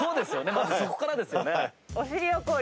まずそこからですよね。